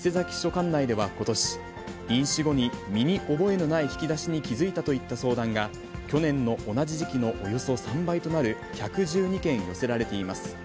管内ではことし、飲酒後に身に覚えのない引き出しに気付いたといった相談が去年の同じ時期のおよそ３倍となる１１２件寄せられています。